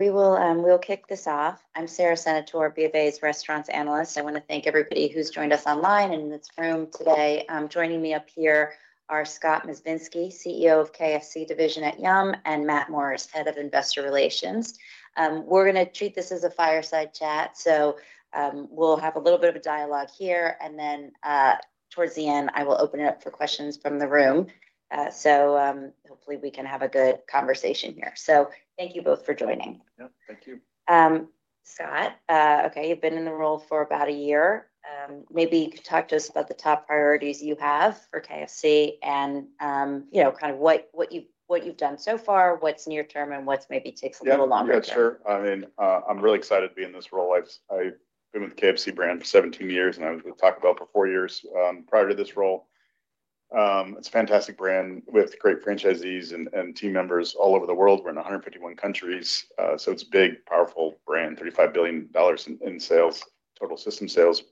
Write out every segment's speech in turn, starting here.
We will kick this off. I'm Sara Senatore, BofA's restaurants analyst. I want to thank everybody who's joined us online and in this room today. Joining me up here are Scott Mezvinsky, CEO of KFC division at Yum!, and Matt Morris, head of investor relations. We're going to treat this as a fireside chat. We'll have a little bit of a dialogue here, and then towards the end, I will open it up for questions from the room. Hopefully, we can have a good conversation here. Thank you both for joining. Yeah. Thank you. Scott, okay, you've been in the role for about a year. Maybe you could talk to us about the top priorities you have for KFC and what you've done so far, what's near term, and what maybe takes a little longer term. Yeah. Sure. I'm really excited to be in this role. I've been with the KFC brand for 17 years, and I was with Taco Bell for four years prior to this role. It's a fantastic brand. We have great franchisees and team members all over the world. We're in 151 countries. It's a big, powerful brand, $35 billion in total system sales.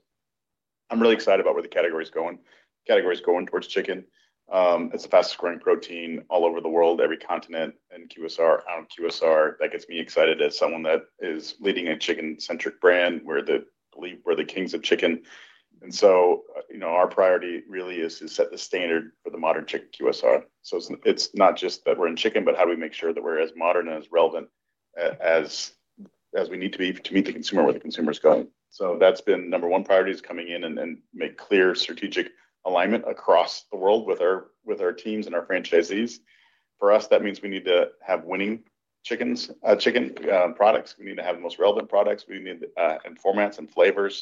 I'm really excited about where the category's going. The category's going towards chicken. It's the fastest-growing protein all over the world, every continent and QSR out of QSR. That gets me excited as someone that is leading a chicken-centric brand. I believe we're the kings of chicken, our priority really is to set the standard for the modern chicken QSR. It's not just that we're in chicken, but how do we make sure that we're as modern and as relevant as we need to be to meet the consumer where the consumer is going. That's been the number one priority is coming in and make clear strategic alignment across the world with our teams and our franchisees. For us, that means we need to have winning chicken products. We need to have the most relevant products. We need end formats and flavors.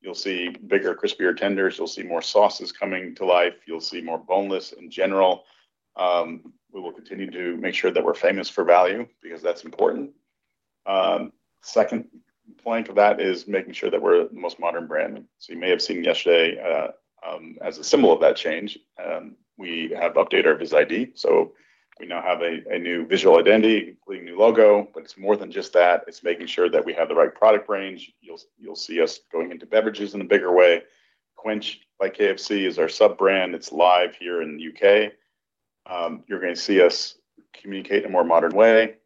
You'll see bigger, crispier tenders. You'll see more sauces coming to life. You'll see more boneless in general. We will continue to make sure that we're famous for value, because that's important. Second plank of that is making sure that we're the most modern brand. You may have seen yesterday, as a symbol of that change, we have updated our visual identity. We now have a new visual identity, including a new logo. It's more than just that. It's making sure that we have the right product range. You'll see us going into beverages in a bigger way. KWENCH by KFC is our sub-brand. It's live here in the U.K. You're going to see us communicate in a more modern way.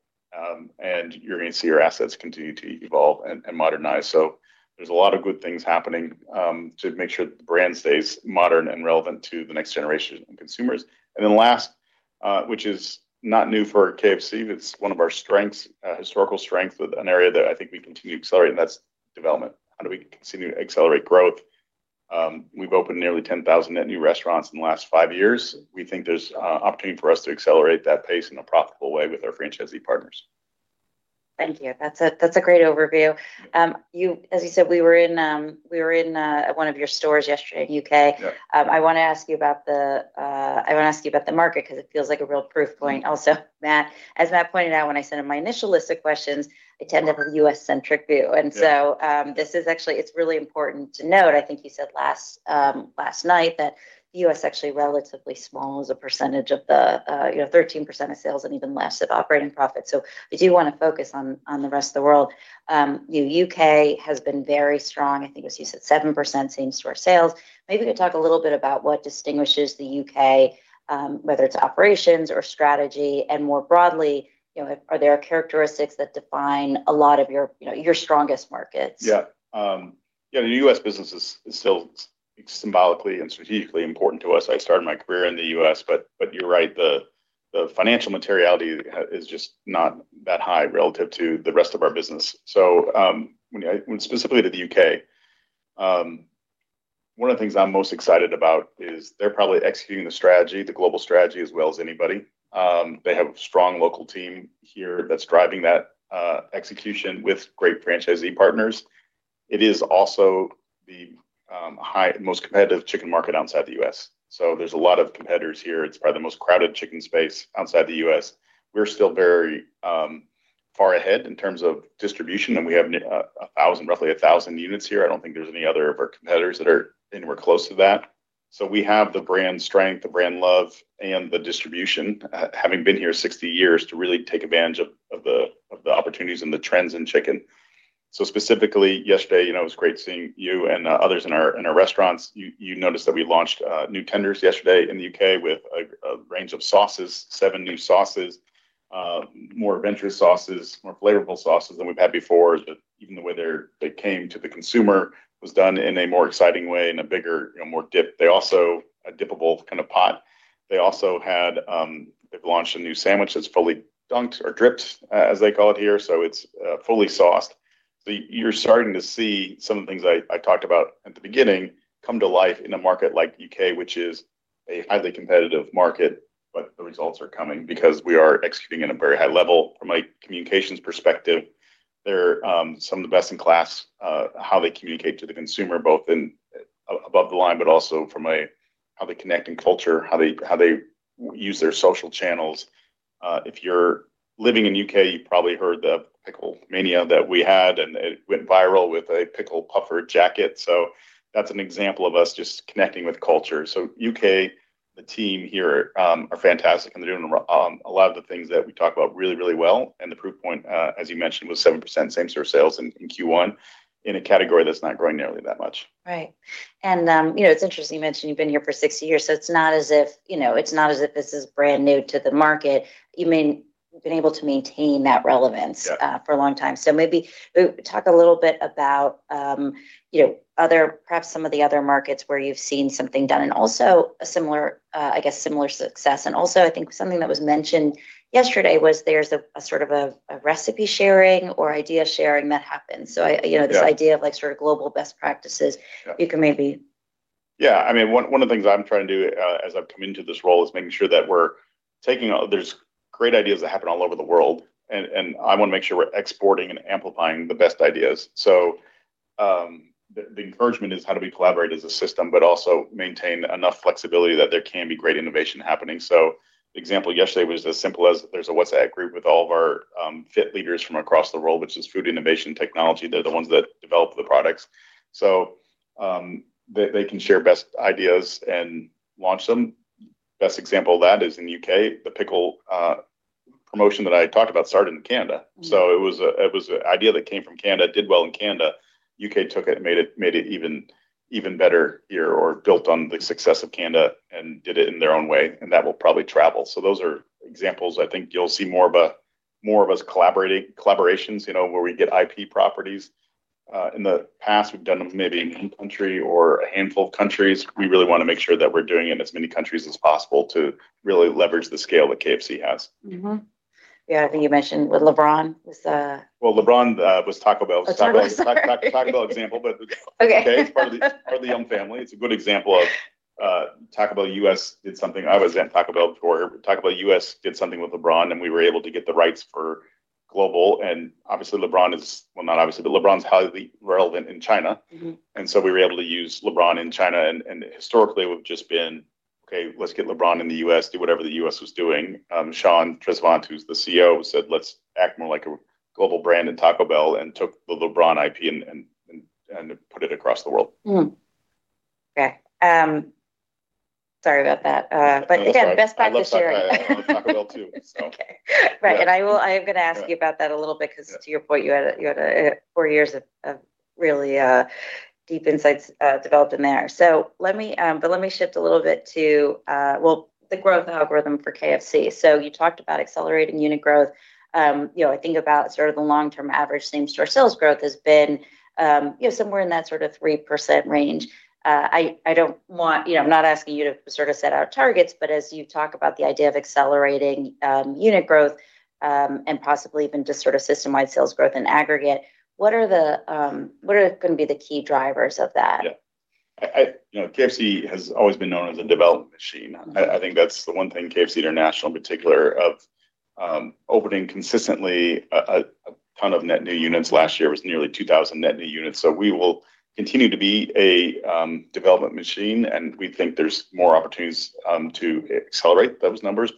You're going to see our assets continue to evolve and modernize. There's a lot of good things happening to make sure that the brand stays modern and relevant to the next generation of consumers. Last, which is not new for KFC, but it's one of our historical strengths, with an area that I think we continue to accelerate, and that's development. How do we continue to accelerate growth? We've opened nearly 10,000 net new restaurants in the last five years. We think there's opportunity for us to accelerate that pace in a profitable way with our franchisee partners. Thank you. That's a great overview. Yeah. As you said, we were in one of your stores yesterday in the U.K. Yeah. I want to ask you about the market, because it feels like a real proof point also Matt. As Matt pointed out when I sent him my initial list of questions, I tend to have a U.S.-centric view. Yeah. This is actually really important to note. I think you said last night that the U.S. is actually relatively small as a percentage of the 13% of sales and even less of operating profits. We do want to focus on the rest of the world. The U.K. has been very strong. I think as you said, 7% same store sales. Maybe you could talk a little bit about what distinguishes the U.K., whether it's operations or strategy, and more broadly, are there characteristics that define a lot of your strongest markets? Yeah. The U.S. business is still symbolically and strategically important to us. I started my career in the U.S. You're right, the financial materiality is just not that high relative to the rest of our business. Specifically to the U.K., one of the things I'm most excited about is they're probably executing the global strategy as well as anybody. They have a strong local team here that's driving that execution with great franchisee partners. It is also the most competitive chicken market outside the U.S. There's a lot of competitors here. It's probably the most crowded chicken space outside the U.S. We're still very far ahead in terms of distribution, and we have roughly 1,000 units here. I don't think there's any other of our competitors that are anywhere close to that. We have the brand strength, the brand love, and the distribution, having been here 60 years, to really take advantage of the opportunities and the trends in chicken. Specifically, yesterday, it was great seeing you and others in our restaurants. You noticed that we launched new tenders yesterday in the U.K. with a range of seven new sauces. More adventurous sauces, more flavorful sauces than we've had before. Even the way they came to the consumer was done in a more exciting way, in a bigger, more dippable kind of pot. They've launched a new sandwich that's fully dunked or dripped, as they call it here. It's fully sauced. You're starting to see some of the things I talked about at the beginning come to life in a market like the U.K., which is a highly competitive market. The results are coming because we are executing at a very high level. From a communications perspective, they're some of the best-in-class, how they communicate to the consumer, both above the line, but also from how they connect in culture, how they use their social channels. If you're living in the U.K., you probably heard the Pickle Mania that we had, and it went viral with a Pickle Puffer jacket. That's an example of us just connecting with culture. U.K., the team here are fantastic, and they're doing a lot of the things that we talk about really, really well. The proof point, as you mentioned, was 7% same-store sales in Q1, in a category that's not growing nearly that much. Right. It's interesting you mentioned you've been here for 60 years, it's not as if this is brand new to the market. You mean We've been able to maintain that relevance- Yeah for a long time. Maybe talk a little bit about perhaps some of the other markets where you've seen something done, also I guess similar success. Also, I think something that was mentioned yesterday was there's a sort of a recipe sharing or idea sharing that happens. Yeah This idea of global best practices. Yeah. You can maybe. Yeah. One of the things I'm trying to do as I've come into this role is making sure that there's great ideas that happen all over the world, and I want to make sure we're exporting and amplifying the best ideas. The encouragement is how do we collaborate as a system but also maintain enough flexibility that there can be great innovation happening. The example yesterday was as simple as there's a WhatsApp group with all of our FIT leaders from across the world, which is Food Innovation Technology. They're the ones that develop the products. They can share best ideas and launch them. Best example of that is in the U.K., the pickle promotion that I talked about started in Canada. It was an idea that came from Canada, did well in Canada. U.K. took it and made it even better here, or built on the success of Canada and did it in their own way, and that will probably travel. Those are examples. I think you'll see more of us collaborations, where we get IP properties. In the past, we've done them maybe in one country or a handful of countries. We really want to make sure that we're doing it in as many countries as possible to really leverage the scale that KFC has. Yeah, I think you mentioned with LeBron. Well, LeBron was Taco Bell. Sorry. Taco Bell example, it's okay. Okay. It's part of the Yum! family. It's a good example of Taco Bell U.S. did something. I was at Taco Bell before. Taco Bell U.S. did something with LeBron, and we were able to get the rights for global. Obviously LeBron is, well, not obviously, but LeBron's highly relevant in China. We were able to use LeBron in China, and historically we've just been, okay, let's get LeBron in the U.S., do whatever the U.S. was doing. Sean Tresvant, who's the CEO, said, "Let's act more like a global brand in Taco Bell," and took the LeBron IP and put it across the world. Okay. Sorry about that. That's okay. Again, best practice sharing. I love Taco Bell too. Okay. Right. I am going to ask you about that a little bit because to your point, you had four years of really deep insights developed in there. Let me shift a little bit to, well, the growth algorithm for KFC. You talked about accelerating unit growth. I think about sort of the long-term average same-store sales growth has been somewhere in that sort of 3% range. I am not asking you to set out targets, as you talk about the idea of accelerating unit growth, and possibly even just sort of system-wide sales growth in aggregate, what are going to be the key drivers of that? Yeah. KFC has always been known as a development machine. I think that's the one thing KFC International in particular of opening consistently a ton of net new units. Last year it was nearly 2,000 net new units. We will continue to be a development machine, and we think there's more opportunities to accelerate those numbers.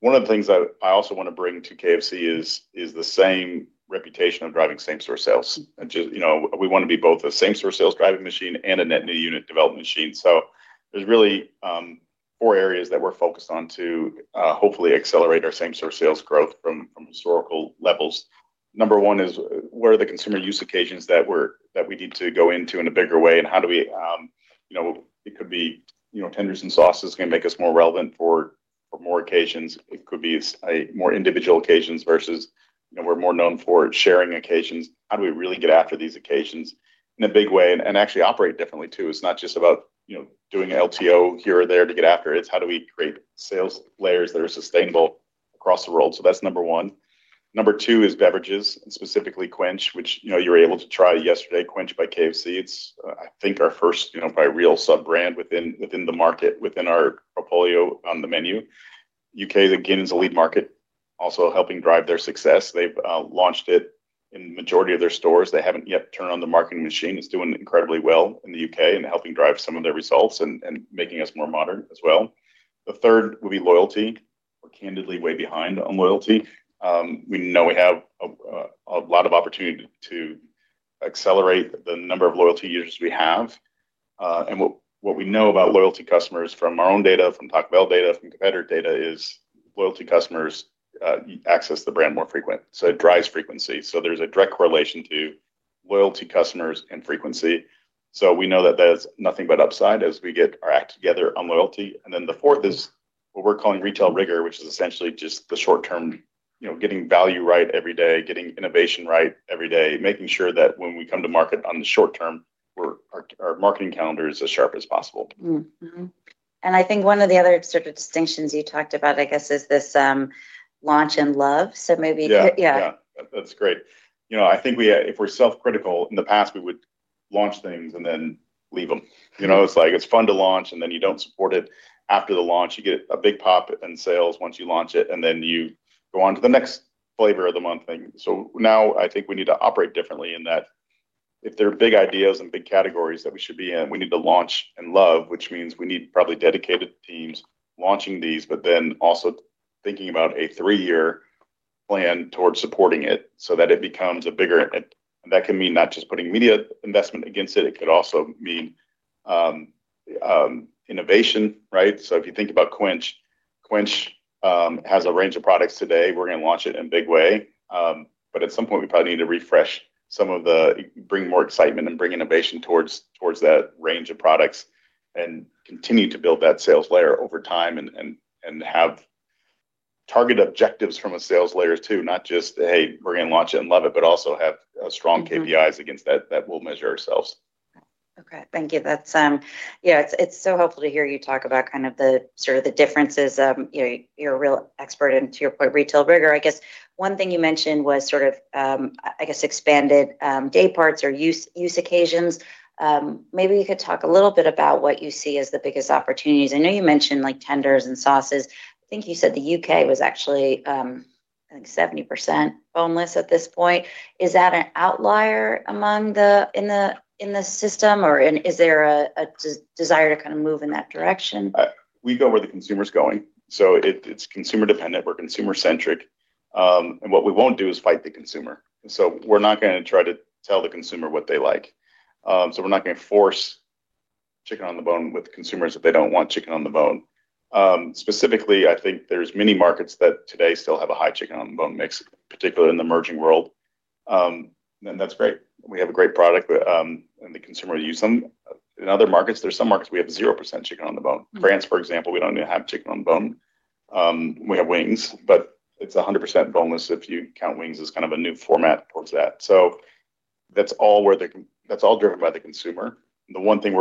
One of the things I also want to bring to KFC is the same reputation of driving same-store sales. We want to be both a same-store sales driving machine and a net new unit development machine. There's really four areas that we're focused on to hopefully accelerate our same-store sales growth from historical levels. Number one is what are the consumer use occasions that we need to go into in a bigger way, and how do we. It could be tenders and sauce is going to make us more relevant for more occasions. It could be more individual occasions versus we're more known for sharing occasions. How do we really get after these occasions in a big way and actually operate differently too? It's not just about doing LTO here or there to get after it. It's how do we create sales layers that are sustainable across the world? That's number one. Number two is beverages, and specifically KWENCH, which you were able to try yesterday. KWENCH by KFC. It's, I think, our first real sub-brand within the market, within our portfolio on the menu. U.K., again, is a lead market, also helping drive their success. They've launched it in the majority of their stores. They haven't yet turned on the marketing machine. It's doing incredibly well in the U.K. and helping drive some of their results and making us more modern as well. The third would be loyalty. We're candidly way behind on loyalty. We know we have a lot of opportunity to accelerate the number of loyalty users we have. What we know about loyalty customers from our own data, from Taco Bell data, from competitor data, is loyalty customers access the brand more frequent, so it drives frequency. There's a direct correlation to loyalty customers and frequency. We know that there's nothing but upside as we get our act together on loyalty. The fourth is what we're calling retail rigor, which is essentially just the short term, getting value right every day, getting innovation right every day, making sure that when we come to market on the short term, our marketing calendar is as sharp as possible. Mm-hmm. I think one of the other sort of distinctions you talked about, I guess, is this launch and love. Yeah. Yeah. Yeah. That's great. I think if we're self-critical, in the past we would launch things and then leave them. It's like it's fun to launch, and then you don't support it after the launch. You get a big pop in sales once you launch it, and then you go on to the next flavor of the month thing. Now I think we need to operate differently in that if there are big ideas and big categories that we should be in, we need to launch and love, which means we need probably dedicated teams launching these, but then also thinking about a three-year plan towards supporting it so that it becomes a bigger. That can mean not just putting media investment against it could also mean innovation, right? If you think about KWENCH has a range of products today. We're going to launch it in a big way. At some point we probably need to refresh some of the, bring more excitement and bring innovation towards that range of products and continue to build that sales layer over time and have Target objectives from a sales layer too, not just, "Hey, we're going to launch it and love it," but also have strong KPIs against that we'll measure ourselves. Okay. Thank you. It's so helpful to hear you talk about the differences. You're a real expert in, to your point, retail rigor. I guess one thing you mentioned was expanded day parts or use occasions. Maybe you could talk a little bit about what you see as the biggest opportunities. I know you mentioned tenders and sauces. I think you said the U.K. was actually, I think, 70% boneless at this point. Is that an outlier in the system, or is there a desire to move in that direction? We go where the consumer's going. It's consumer-dependent. We're consumer-centric. What we won't do is fight the consumer. We're not going to try to tell the consumer what they like. We're not going to force chicken on the bone with consumers if they don't want chicken on the bone. Specifically, I think there's many markets that today still have a high chicken on the bone mix, particularly in the emerging world. That's great. We have a great product, and the consumer use them. In other markets, there's some markets we have 0% chicken on the bone. France, for example, we don't even have chicken on the bone. We have wings, but it's 100% boneless if you count wings as a new format towards that. That's all driven by the consumer. The one thing,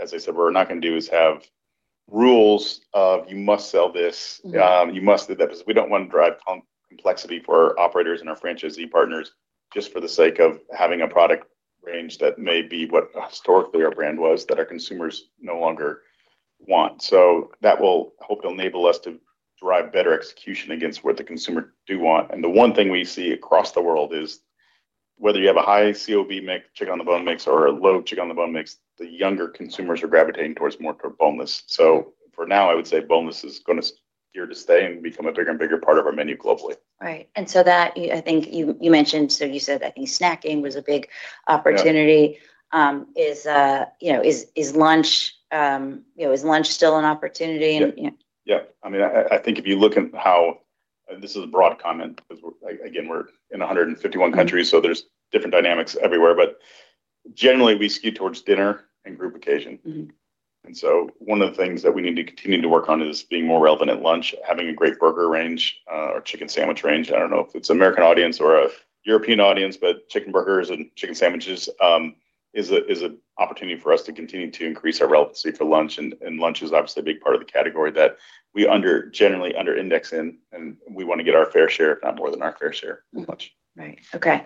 as I said, we're not going to do is have rules of you must sell. You must do that, because we don't want to drive complexity for our operators and our franchisee partners just for the sake of having a product range that may be what historically our brand was, that our consumers no longer want. That will hopefully enable us to drive better execution against what the consumer do want. The one thing we see across the world is whether you have a high COB mix, chicken on the bone mix, or a low chicken on the bone mix, the younger consumers are gravitating towards more boneless. For now, I would say boneless is going to here to stay and become a bigger and bigger part of our menu globally. Right. That, I think you mentioned, you said, I think snacking was a big opportunity. Yeah. Is lunch still an opportunity, yeah? Yep. I think if you look at how, this is a broad comment because, again, we're in 151 countries, there's different dynamics everywhere. Generally, we skew towards dinner and group occasion. One of the things that we need to continue to work on is being more relevant at lunch, having a great burger range, or chicken sandwich range. I don't know if it's American audience or a European audience, chicken burgers and chicken sandwiches is an opportunity for us to continue to increase our relevancy for lunch. Lunch is obviously a big part of the category that we generally under-index in, we want to get our fair share, if not more than our fair share for lunch. Right. Okay.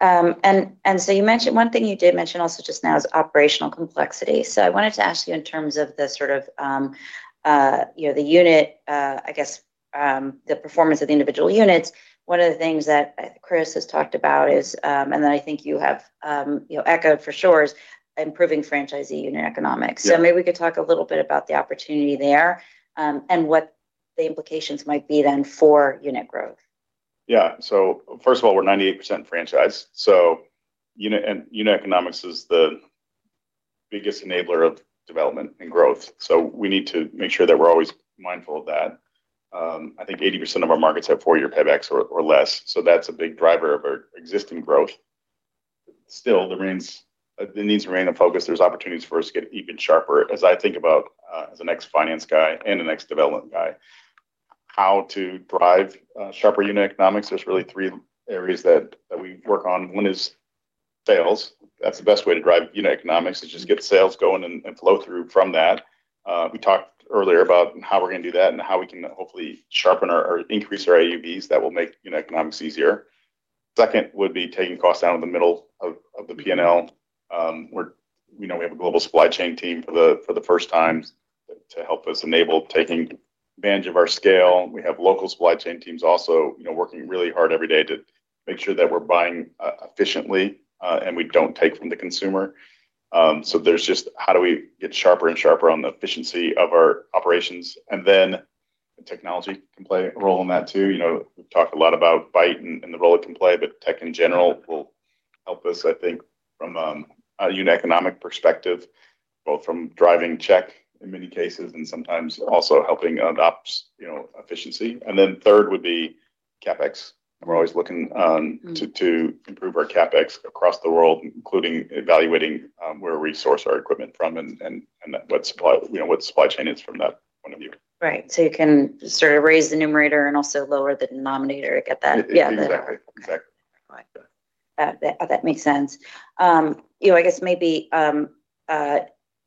One thing you did mention also just now is operational complexity. I wanted to ask you in terms of the unit, I guess, the performance of the individual units. One of the things that Chris has talked about is, and that I think you have echoed for sure, is improving franchisee unit economics. Yeah. Maybe we could talk a little bit about the opportunity there, and what the implications might be then for unit growth. First of all, we're 98% franchise. Unit economics is the biggest enabler of development and growth. We need to make sure that we're always mindful of that. I think 80% of our markets have four-year paybacks or less, so that's a big driver of our existing growth. There needs to remain a focus. There's opportunities for us to get even sharper. As I think about, as the next finance guy and the next development guy, how to drive sharper unit economics, there's really three areas that we work on. One is sales. That's the best way to drive unit economics, is just get sales going and flow through from that. We talked earlier about how we're going to do that and how we can hopefully sharpen or increase our AUVs that will make unit economics easier. Second would be taking costs out of the middle of the P&L, where we know we have a global supply chain team for the first time to help us enable taking advantage of our scale. We have local supply chain teams also working really hard every day to make sure that we're buying efficiently, and we don't take from the consumer. There's just how do we get sharper and sharper on the efficiency of our operations. Technology can play a role in that, too. We've talked a lot about Byte and the role it can play, but tech in general will help us, I think, from a unit economic perspective, both from driving check in many cases, and sometimes also helping on ops efficiency. Third would be CapEx. We're always looking. To improve our CapEx across the world, including evaluating where we source our equipment from and what supply chain is from that point of view. Right. You can sort of raise the numerator and also lower the denominator, get that. Yeah. Exactly. Okay. Right. That makes sense. I guess maybe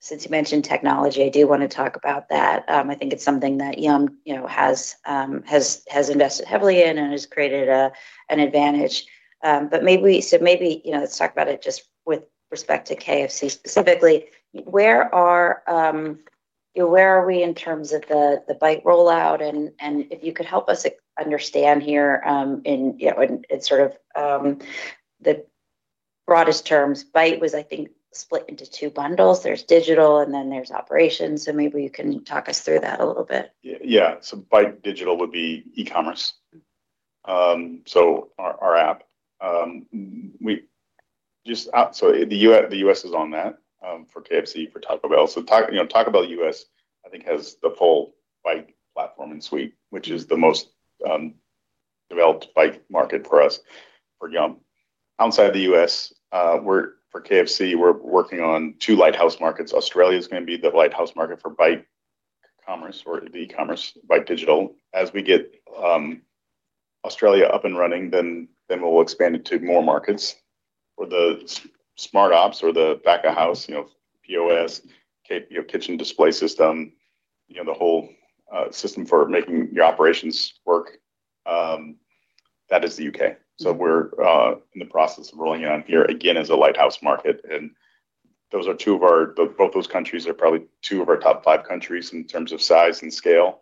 since you mentioned technology, I do want to talk about that. I think it's something that Yum! has invested heavily in and has created an advantage. Maybe, let's talk about it just with respect to KFC specifically. Where are we in terms of the Byte rollout? If you could help us understand here in the broadest terms, Byte was, I think, split into two bundles. There's digital and then there's operations. Maybe you can talk us through that a little bit. Yeah. Byte Digital would be e-commerce. Our app. The U.S. is on that, for KFC, for Taco Bell. Taco Bell U.S., I think, has the full Byte platform and suite, which is the most Developed by market for us, for Yum! Outside the U.S., for KFC, we're working on two lighthouse markets. Australia's going to be the lighthouse market for Byte Commerce or the e-commerce, Byte Digital. As we get Australia up and running, then we'll expand it to more markets. For the Smart Ops or the back of house, POS, kitchen display system, the whole system for making the operations work, that is the U.K. We're in the process of rolling it out here, again, as a lighthouse market, both those countries are probably two of our top five countries in terms of size and scale.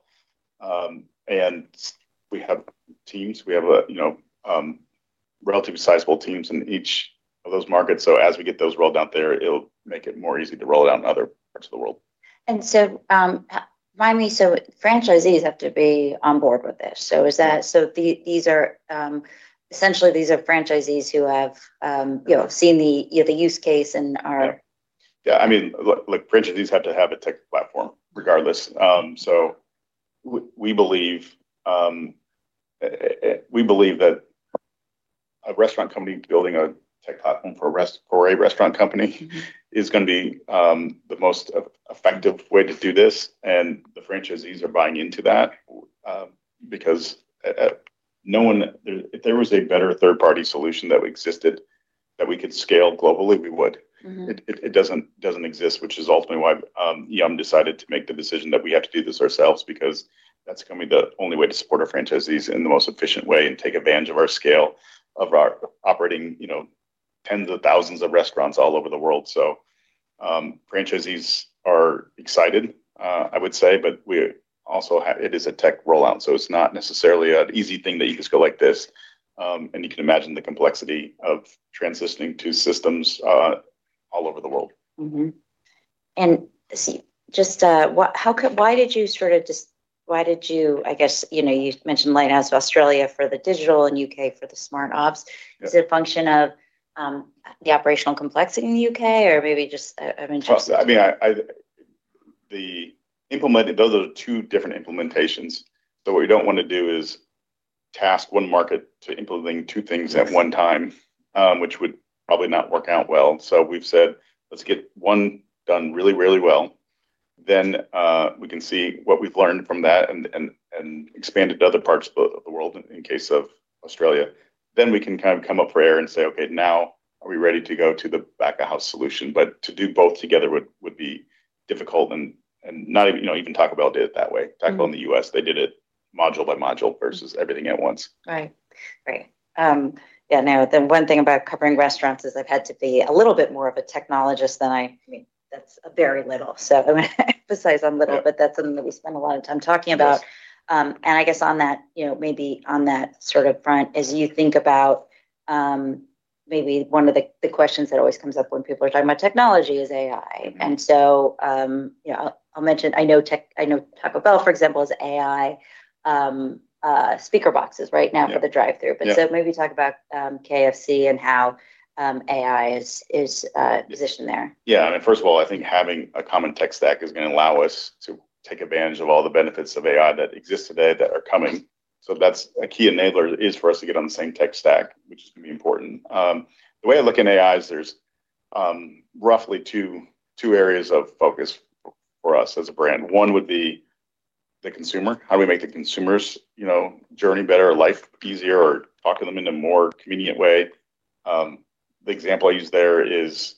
We have teams. We have relatively sizable teams in each of those markets. As we get those rolled out there, it'll make it more easy to roll it out in other parts of the world. Remind me, franchisees have to be on board with this. Essentially, these are franchisees who have seen the use case. Look, franchisees have to have a tech platform regardless. We believe that a restaurant company building a tech platform for a restaurant company is going to be the most effective way to do this, and the franchisees are buying into that. Because if there was a better third-party solution that existed that we could scale globally, we would. It doesn't exist, which is ultimately why Yum! decided to make the decision that we have to do this ourselves, because that's going to be the only way to support our franchisees in the most efficient way and take advantage of our scale, of our operating tens of thousands of restaurants all over the world. Franchisees are excited, I would say, but it is a tech rollout, so it's not necessarily an easy thing that you just go like this. You can imagine the complexity of transitioning two systems all over the world. You mentioned lighthouse Australia for the digital and U.K. for the Smart Ops. Yeah. Is it a function of the operational complexity in the U.K. or maybe? Those are two different implementations. What we don't want to do is task one market to implementing two things at one time, which would probably not work out well. We've said, "Let's get one done really, really well." We can see what we've learned from that and expand it to other parts of the world, in case of Australia. We can come up for air and say, "Okay, now are we ready to go to the back of house solution?" To do both together would be difficult, and even Taco Bell did it that way. Taco in the U.S., they did it module by module versus everything at once. Right. Great. Yeah, no, the one thing about covering restaurants is I've had to be a little bit more of a technologist than I. That's very little. I'm going to emphasize on little, but that's something that we spend a lot of time talking about. Yes. I guess maybe on that front, as you think about maybe one of the questions that always comes up when people are talking about technology is AI. I'll mention, I know Taco Bell, for example, has AI speaker boxes right now for the drive-through. Yeah. Maybe talk about KFC and how AI is positioned there. Yeah. First of all, I think having a common tech stack is going to allow us to take advantage of all the benefits of AI that exist today that are coming. That's a key enabler is for us to get on the same tech stack, which is going to be important. The way I look in AI is there's roughly two areas of focus for us as a brand. One would be the consumer, how do we make the consumer's journey better, life easier, or talking to them in a more convenient way. The example I use there is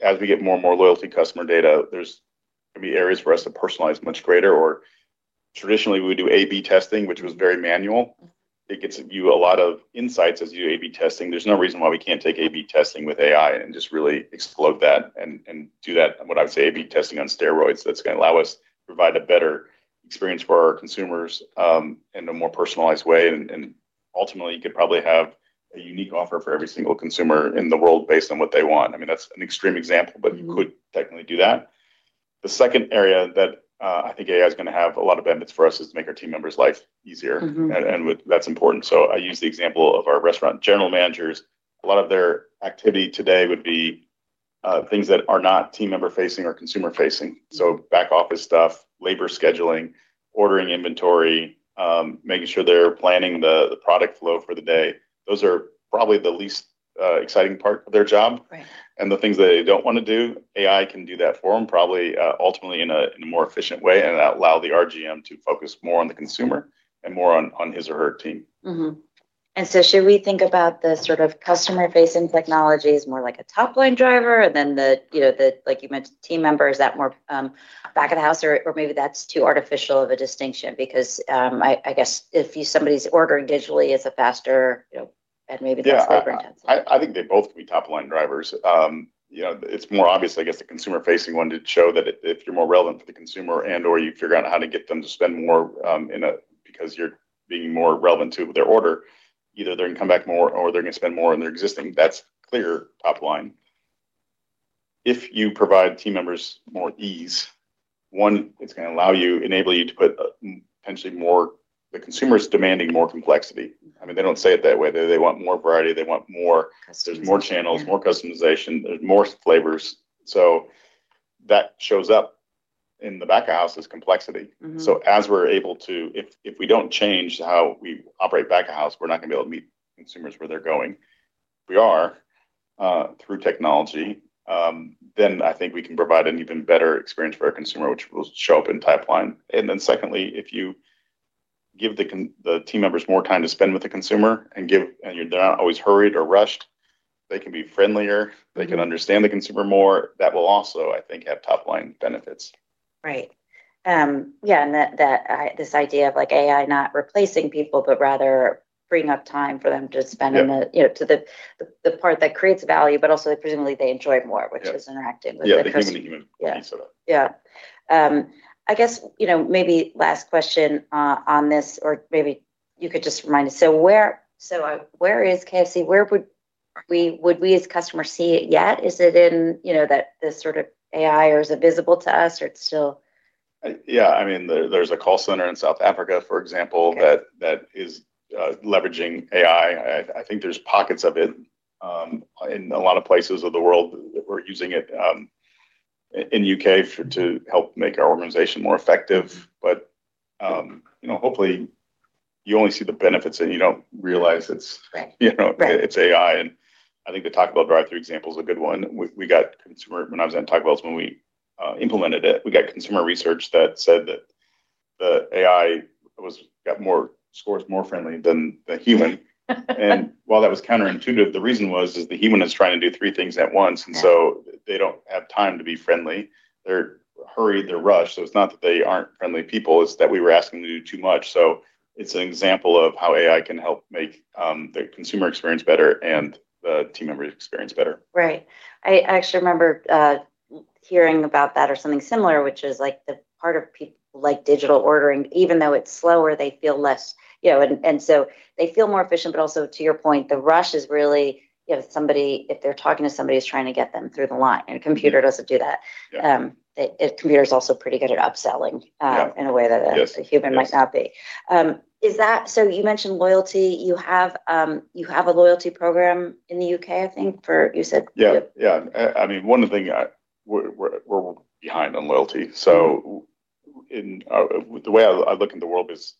as we get more and more loyalty customer data, there's going to be areas for us to personalize much greater. Traditionally, we would do A/B testing, which was very manual. It gets you a lot of insights as you do A/B testing. There's no reason why we can't take A/B testing with AI and just really explode that and do that, what I would say A/B testing on steroids. That's going to allow us to provide a better experience for our consumers in a more personalized way. Ultimately, you could probably have a unique offer for every single consumer in the world based on what they want. That's an extreme example, but you could technically do that. The second area that I think AI's going to have a lot of benefits for us is to make our team members' life easier. That's important. I use the example of our restaurant general managers. A lot of their activity today would be things that are not team member facing or consumer facing. Back office stuff, labor scheduling, ordering inventory, making sure they're planning the product flow for the day. Those are probably the least exciting part of their job. Right. The things that they don't want to do, AI can do that for them, probably, ultimately in a more efficient way, and allow the RGM to focus more on the consumer and more on his or her team. Should we think about the sort of customer facing technology as more like a top-line driver than the, like you mentioned, team member? Is that more back of the house, or maybe that's too artificial of a distinction because, I guess if somebody's ordering digitally, it's a faster, and maybe that's labor intensive. I think they both can be top-line drivers. It's more obvious, I guess, the consumer facing one to show that if you're more relevant for the consumer and/or you figure out how to get them to spend more because you're being more relevant to their order, either they're going to come back more or they're going to spend more on their existing. That's clear top line. If you provide team members more ease, one, it's going to enable you to put potentially more. The consumer's demanding more complexity. They don't say it that way. They want more variety, they want more. Customization There's more channels, more customization, more flavors. That shows up in the back of house is complexity. As we're able to, if we don't change how we operate back of house, we're not going to be able to meet consumers where they're going. Through technology, then I think we can provide an even better experience for our consumer, which will show up in top line. Secondly, if you give the team members more time to spend with the consumer, and they're not always hurried or rushed, they can be friendlier. They can understand the consumer more. That will also, I think, have top-line benefits. Right. Yeah, this idea of AI not replacing people, but rather freeing up time for them to spend Yeah to the part that creates value, also that presumably they enjoy more Yeah which is interacting with the person. Yeah, the human to human connection. Yeah. I guess, maybe last question on this, or maybe you could just remind us. Where is KFC? Would we as customers see it yet? Is it in this sort of AI, or is it visible to us, or it's still Yeah, there's a call center in South Africa, for example- Okay that is leveraging AI. I think there's pockets of it in a lot of places of the world. We're using it in U.K. to help make our organization more effective. Hopefully you only see the benefits and you don't realize it's- Right AI. I think the Taco Bell drive-through example is a good one. When I was at Taco Bell, when we implemented it, we got consumer research that said that the AI got scores more friendly than the human. While that was counterintuitive, the reason was, is the human is trying to do three things at once. Right. They don't have time to be friendly. They're hurried, they're rushed. It's not that they aren't friendly people, it's that we were asking them to do too much. It's an example of how AI can help make the consumer experience better and the team member experience better. Right. I actually remember hearing about that or something similar, which is the part of people like digital ordering, even though it's slower, they feel more efficient, but also to your point, the rush is really if they're talking to somebody who's trying to get them through the line, and a computer doesn't do that. Yeah. A computer's also pretty good at upselling. Yeah. in a way that a human might not be. You mentioned loyalty. You have a loyalty program in the U.K., I think. Yeah. One of the things, we're behind on loyalty. The way I look in the world is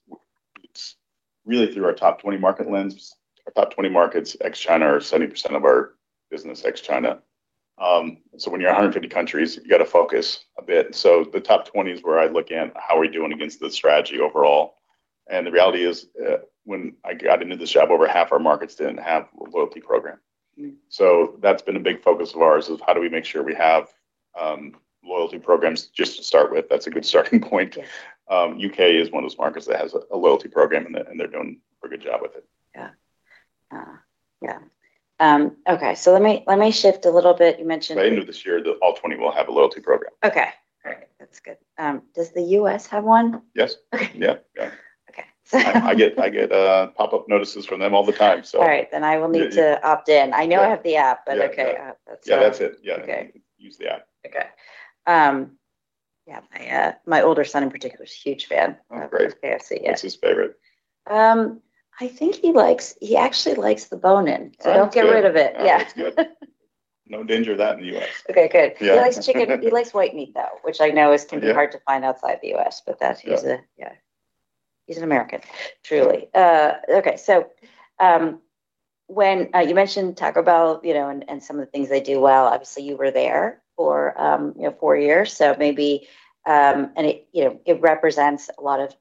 it's really through our top 20 market lens. Our top 20 markets ex-China are 70% of our business ex-China. When you're 150 countries, you got to focus a bit. The top 20 is where I look at how are we doing against the strategy overall. The reality is, when I got into this job, over half our markets didn't have a loyalty program. That's been a big focus of ours is how do we make sure we have loyalty programs just to start with. That's a good starting point. Yeah. U.K. is one of those markets that has a loyalty program, and they're doing a good job with it. Yeah. Okay. Let me shift a little bit. By end of this year, the all 20 will have a loyalty program. Okay. All right. That's good. Does the U.S. have one? Yes. Okay. Yeah. Okay. I get pop-up notices from them all the time. All right. I will need to opt in. I know I have the app, but okay. Yeah, that's it. Okay. Use the app. Okay. Yeah, my older son in particular is a huge fan- Oh, great of KFC. Yeah. What's his favorite? I think he actually likes the bone-in. Oh, good. Don't get rid of it. Yeah. That's good. No danger of that in the U.S. Okay, good. Yeah. He likes chicken. He likes white meat, though, which I know can be hard to find outside the U.S. Yeah Yeah, he's an American, truly. Okay. You mentioned Taco Bell, and some of the things they do well. Obviously, you were there for four years. It represents a lot of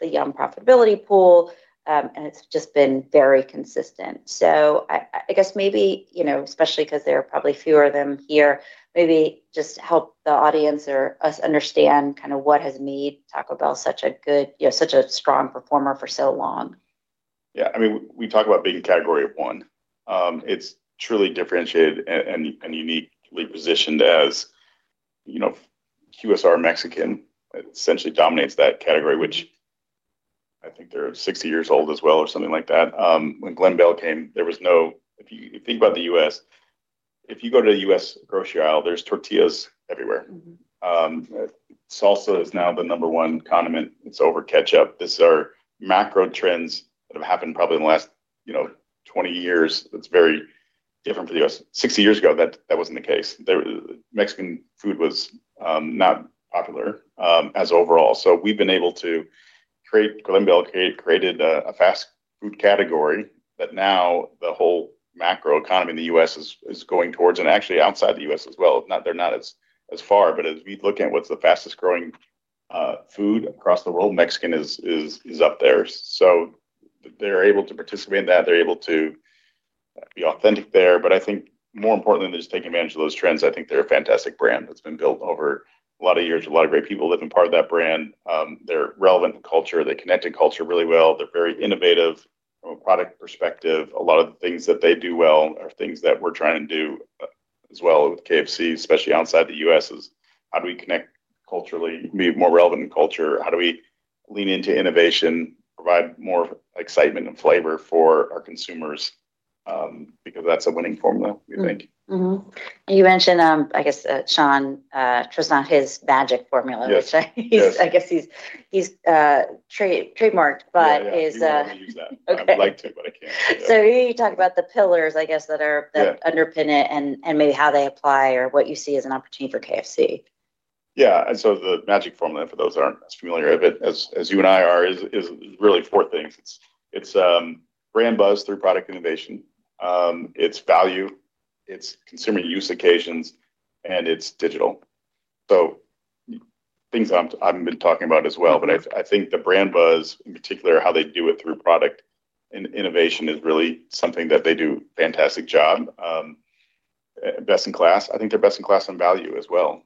the Yum! profitability pool. It's just been very consistent. I guess maybe, especially because there are probably fewer of them here, maybe just help the audience or us understand what has made Taco Bell such a strong performer for so long. Yeah. We talk about being a category of one. It's truly differentiated and uniquely positioned as QSR Mexican. It essentially dominates that category, which I think they're 60 years old as well or something like that. When Glen Bell came, if you think about the U.S., if you go to a U.S. grocery aisle, there's tortillas everywhere. Salsa is now the number one condiment. It's over ketchup. These are macro trends that have happened probably in the last 20 years that's very different for the U.S. 60 years ago, that wasn't the case. Mexican food was not popular as overall. We've been able to create, Glen Bell created a fast food category that now the whole macro economy in the U.S. is going towards, and actually outside the U.S. as well. They're not as far, as we look at what's the fastest growing food across the world, Mexican is up there. They're able to participate in that. They're able to be authentic there. I think more important than just taking advantage of those trends, I think they're a fantastic brand that's been built over a lot of years. A lot of great people have been part of that brand. They're relevant to culture. They connect to culture really well. They're very innovative from a product perspective. A lot of the things that they do well are things that we're trying to do as well with KFC, especially outside the U.S., is how do we connect culturally, be more relevant in culture? How do we lean into innovation, provide more excitement and flavor for our consumers? Because that's a winning formula, we think. Mm-hmm. You mentioned, I guess, Sean, it was not his magic formula. Yes which I guess he's trademarked, but is. Yeah. He wouldn't let me use that. Okay. I would've liked to, but I can't. You talk about the pillars, I guess. Yeah underpin it and maybe how they apply or what you see as an opportunity for KFC. Yeah. The magic formula for those that aren't as familiar of it as you and I are is really four things. It's brand buzz through product innovation, it's value, it's consumer use occasions, and it's digital. Things I've been talking about as well. I think the brand buzz in particular, how they do it through product and innovation is really something that they do a fantastic job. Best-in-class. I think they're best-in-class on value as well.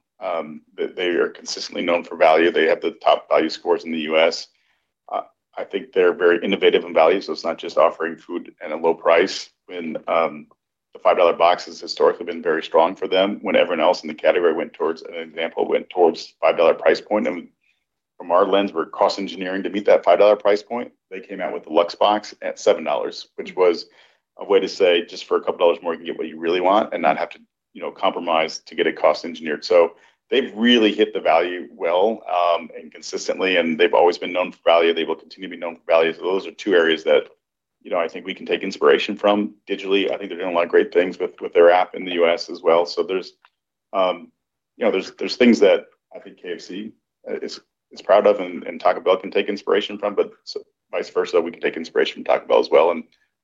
They are consistently known for value. They have the top value scores in the U.S. I think they're very innovative in value. It's not just offering food at a low price when the $5 box has historically been very strong for them. When everyone else in the category, an example, went towards a $5 price point and from our lens, we're cost engineering to meet that $5 price point, they came out with the Luxe Box at $7, which was a way to say just for a couple of dollars more, you can get what you really want and not have to compromise to get it cost engineered. They've really hit the value well, and consistently, and they've always been known for value. They will continue to be known for value. Those are two areas that I think we can take inspiration from digitally. I think they're doing a lot of great things with their app in the U.S. as well. There's things that I think KFC is proud of and Taco Bell can take inspiration from, but vice versa, we can take inspiration from Taco Bell as well.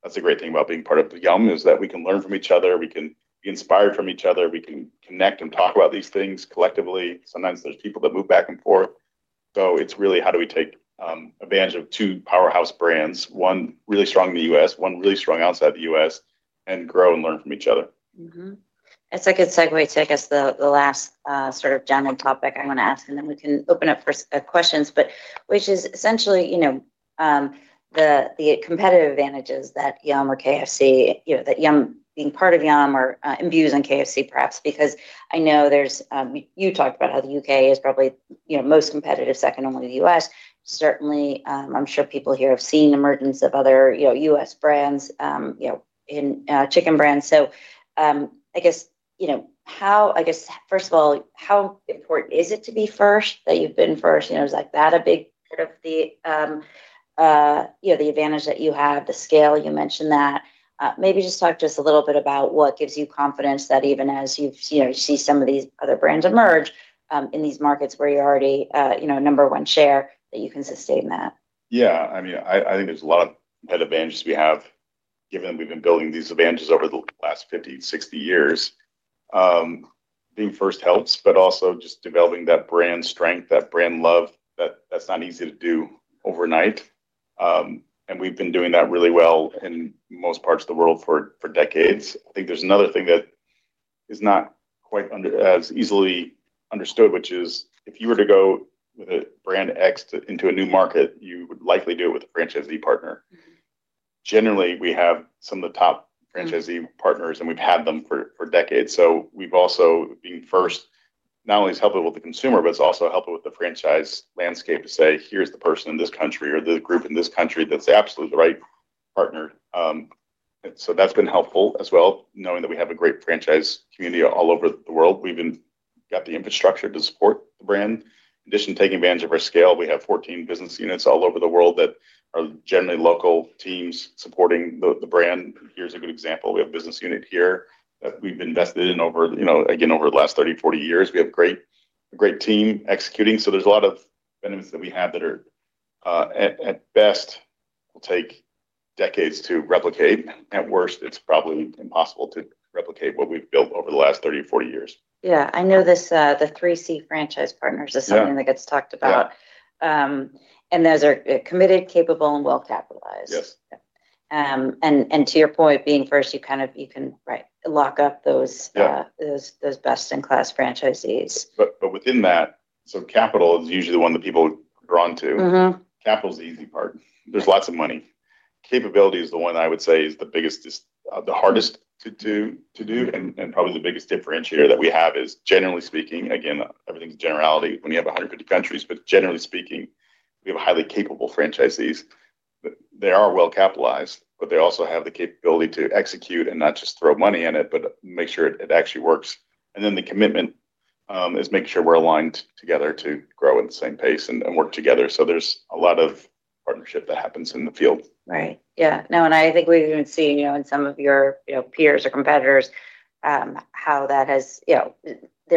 That's the great thing about being part of the Yum! is that we can learn from each other, we can be inspired from each other, we can connect and talk about these things collectively. Sometimes there's people that move back and forth. It's really how do we take advantage of two powerhouse brands, one really strong in the U.S., one really strong outside the U.S., and grow and learn from each other. That's a good segue to, I guess, the last general topic I want to ask, and then we can open up for questions, but which is essentially, the competitive advantages that being part of Yum! imbues on KFC perhaps because I know you talked about how the U.K. is probably most competitive, second only to the U.S. Certainly, I'm sure people here have seen the emergence of other U.S. brands, chicken brands. I guess, first of all, how important is it to be first, that you've been first? Is that a big sort of the advantage that you have, the scale, you mentioned that. Maybe just talk to us a little bit about what gives you confidence that even as you see some of these other brands emerge, in these markets where you're already number one share, that you can sustain that. I think there's a lot of head advantages we have, given that we've been building these advantages over the last 50, 60 years. Being first helps, but also just developing that brand strength, that brand love, that's not easy to do overnight. We've been doing that really well in most parts of the world for decades. I think there's another thing that is not quite as easily understood, which is if you were to go with a brand X into a new market, you would likely do it with a franchisee partner. We have some of the top franchisee partners, and we've had them for decades. We've also, being first, not only is helpful with the consumer, but it's also helpful with the franchise landscape to say, "Here's the person in this country or the group in this country that's absolutely the right partner." That's been helpful as well, knowing that we have a great franchise community all over the world. We even got the infrastructure to support the brand. In addition to taking advantage of our scale, we have 14 business units all over the world that are generally local teams supporting the brand. Here's a good example. We have a business unit here that we've invested in, again, over the last 30, 40 years. We have a great team executing. There's a lot of benefits that we have that are, at best, will take decades to replicate. At worst, it's probably impossible to replicate what we've built over the last 30 or 40 years. Yeah. I know the 3C franchise partners is something that gets talked about. Yeah. Those are committed, capable, and well-capitalized. Yes. To your point, being first, you can lock up. Yeah those best-in-class franchisees. Within that, capital is usually the one that people are drawn to. Capital is the easy part. There's lots of money. Capability is the one that I would say is the hardest to do, and probably the biggest differentiator that we have is, generally speaking, again, everything's a generality when you have 150 countries, but generally speaking, we have highly capable franchisees. They are well capitalized, but they also have the capability to execute and not just throw money at it, but make sure it actually works. Then the commitment, is making sure we're aligned together to grow at the same pace and work together. There's a lot of partnership that happens in the field. Right. Yeah. I think we've even seen in some of your peers or competitors, there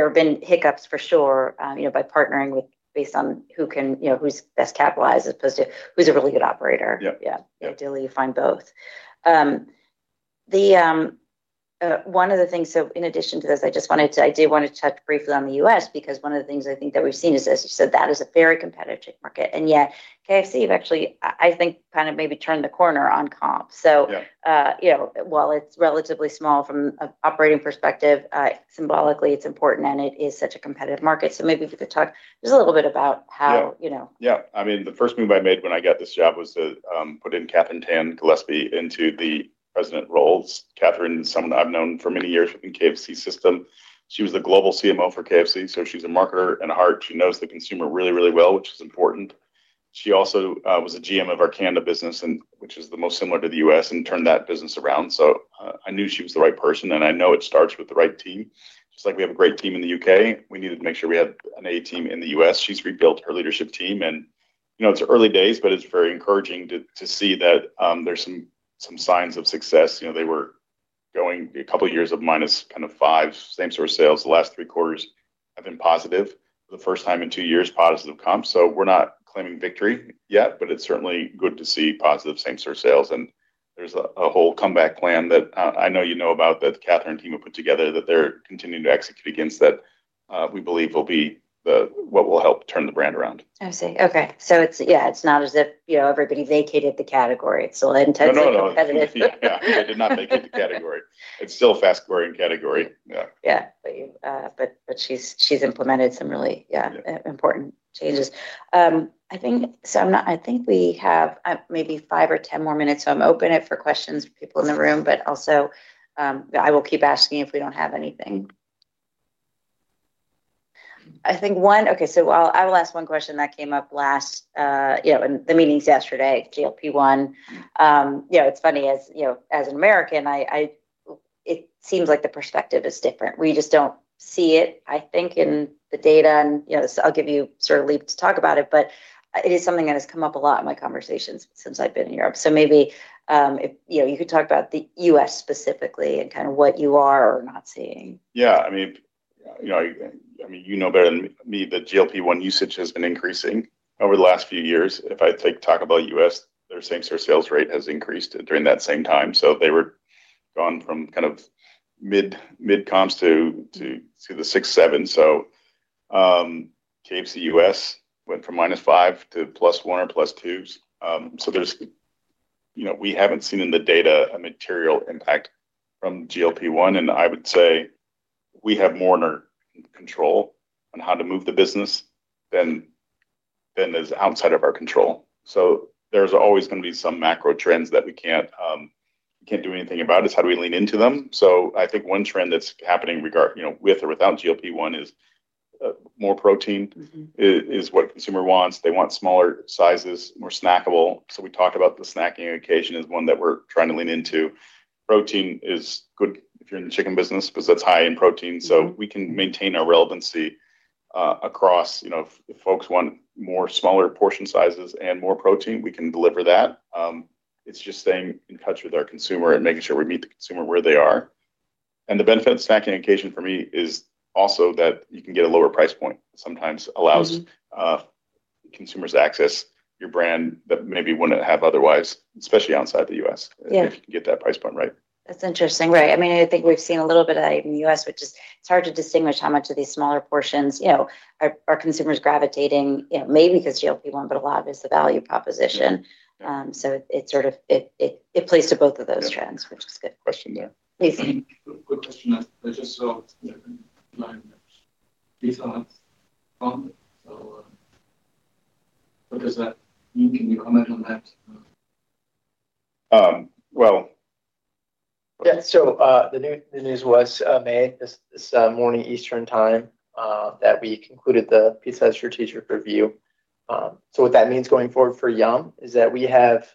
have been hiccups for sure, by partnering based on who's best capitalized as opposed to who's a really good operator. Yep. Yeah. Ideally, you find both. One of the things, in addition to this, I did want to touch briefly on the U.S., because one of the things I think that we've seen is, as you said, that is a very competitive market, and yet KFC, you've actually, I think, maybe turned the corner on comp. Yeah. While it's relatively small from an operating perspective, symbolically, it's important, and it is such a competitive market. Maybe if you could talk just a little bit about how- Yeah. The first move I made when I got this job was to put in Catherine Tan-Gillespie into the president roles. Catherine is someone that I've known for many years within the KFC system. She was the global CMO for KFC, so she's a marketer at heart. She knows the consumer really, really well, which is important. She also was a GM of our Canada business, which is the most similar to the U.S., and turned that business around. I knew she was the right person, and I know it starts with the right team. Just like we have a great team in the U.K., we needed to make sure we had an A team in the U.S. She's rebuilt her leadership team, and it's early days, but it's very encouraging to see that there's some signs of success. They were going a couple of years of -5% same-store sales. The last three quarters have been positive for the first time in two years, positive comp. We're not claiming victory yet, but it's certainly good to see positive same-store sales, and there's a whole comeback plan that I know you know about, that Catherine's team have put together that they're continuing to execute against that we believe will be what will help turn the brand around. I see. Okay. It's not as if everybody vacated the category. It's still intensely competitive. No. They did not vacate the category. It's still a fast-growing category. Yeah. Yeah. She's implemented some really important changes. I think we have maybe five or 10 more minutes, I'm open for questions from people in the room, but also, I will keep asking if we don't have anything. Okay. I will ask one question that came up in the meetings yesterday, GLP-1. It's funny, as an American, it seems like the perspective is different. We just don't see it, I think, in the data. I'll give you sort of leave to talk about it, but it is something that has come up a lot in my conversations since I've been in Europe. Maybe you could talk about the U.S. specifically and kind of what you are or not seeing. Yeah. You know better than me that GLP-1 usage has been increasing over the last few years. If I talk about U.S., their same-store sales rate has increased during that same time. They were gone from mid comps to the six, seven. KFC U.S. went from -5 to +1 or +2s. We haven't seen in the data a material impact from GLP-1, and I would say we have more control on how to move the business than is outside of our control. There's always going to be some macro trends that we can't do anything about. It's how do we lean into them. I think one trend that's happening with or without GLP-1 is more protein is what consumer wants. They want smaller sizes, more snackable. We talk about the snacking occasion as 1 that we're trying to lean into. Protein is good if you're in the chicken business because that's high in protein. We can maintain our relevancy across if folks want more smaller portion sizes and more protein, we can deliver that. It's just staying in touch with our consumer and making sure we meet the consumer where they are. The benefit of the snacking occasion for me is also that you can get a lower price point, sometimes allows consumers access your brand that maybe wouldn't have otherwise, especially outside the U.S.- Yeah if you can get that price point right. I think we've seen a little bit of that in the U.S., but it's hard to distinguish how much of these smaller portions, are consumers gravitating, maybe because GLP-1, but a lot of it's the value proposition. Yeah. It plays to both of those trends, which is good. Question to you. Please. Quick question. I just saw in the news Pizza Hut was sold. Can you comment on that? Well The news was made this morning, Eastern Time, that we concluded the Pizza Hut strategic review. What that means going forward for Yum! is that we have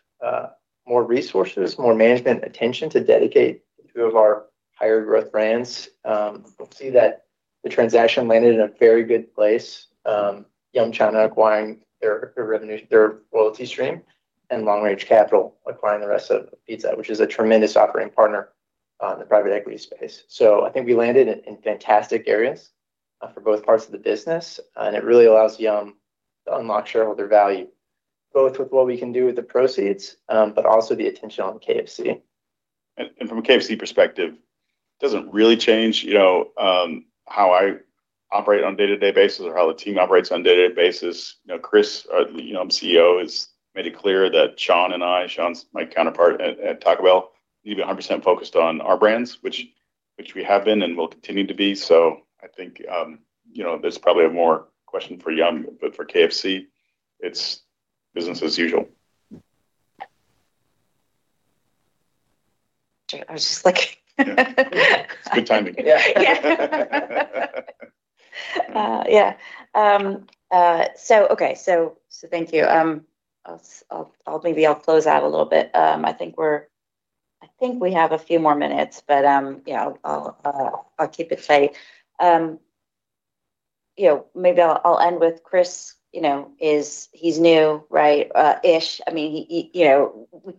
more resources, more management attention to dedicate to our higher growth brands. We see that the transaction landed in a very good place. Yum! China acquiring their revenue, their loyalty stream, and LongRange Capital acquiring the rest of Pizza, which is a tremendous operating partner in the private equity space. I think we landed in fantastic areas for both parts of the business, and it really allows Yum! to unlock shareholder value, both with what we can do with the proceeds, but also the attention on KFC. From a KFC perspective, it doesn't really change how I operate on a day-to-day basis or how the team operates on a day-to-day basis. Chris, our CEO, has made it clear that Sean and I, Sean's my counterpart at Taco Bell, need to be 100% focused on our brands, which we have been and will continue to be. I think that's probably a question for Yum!, but for KFC, it's business as usual. I was just looking. Yeah. It's good timing. Yeah. Okay. Thank you. Maybe I'll close out a little bit. I think we have a few more minutes, but I'll keep it tight. Maybe I'll end with Chris. He's new, right? Ish.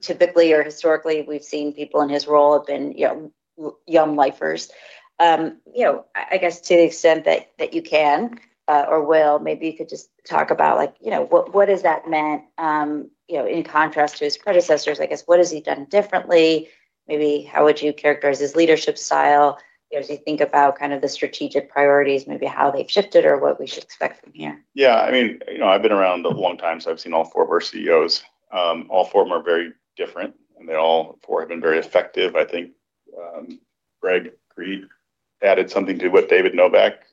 Typically or historically, we've seen people in his role have been Yum! lifers. I guess to the extent that you can or will, maybe you could just talk about what has that meant in contrast to his predecessors. What has he done differently? Maybe how would you characterize his leadership style as you think about the strategic priorities, maybe how they've shifted or what we should expect from here? Yeah. I've been around a long time, so I've seen all four of our CEOs. All four of them are very different, and they all four have been very effective. I think Greg Creed added something to what David Novak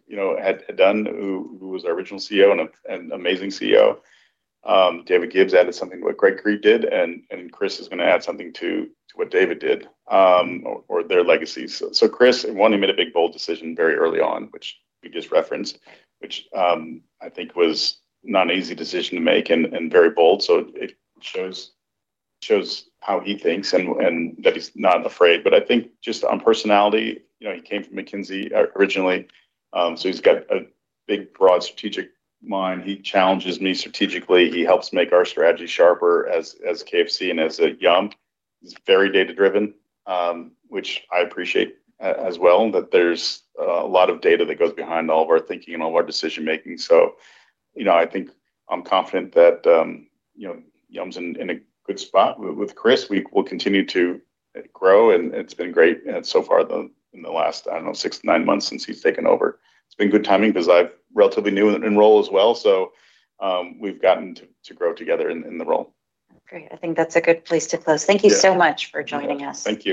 had done, who was our original CEO and an amazing CEO. David Gibbs added something to what Greg Creed did, and Chris is going to add something to what David did, or their legacy. Chris, one, he made a big, bold decision very early on, which we just referenced, which I think was not an easy decision to make and very bold. It shows how he thinks and that he's not afraid. I think just on personality, he came from McKinsey originally, so he's got a big, broad, strategic mind. He challenges me strategically. He helps make our strategy sharper as KFC and as Yum!. He's very data-driven, which I appreciate as well, that there's a lot of data that goes behind all of our thinking and all of our decision-making. I think I'm confident that Yum!'s in a good spot with Chris. We will continue to grow, and it's been great so far in the last, I don't know, six to nine months since he's taken over. It's been good timing because I'm relatively new in role as well, so we've gotten to grow together in the role. Great. I think that's a good place to close. Thank you so much for joining us. Thank you.